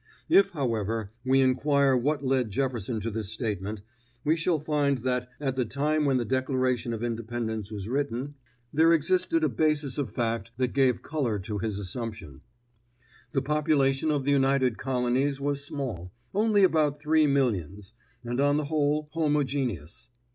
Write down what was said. If, however, we inquire what led Jefferson to this statement, we shall find that, at the time when the Declaration of Independence was written, there existed a basis of fact that gave color to his assumption. The population of the United Colonies was small only about three millions and on the whole homogeneous.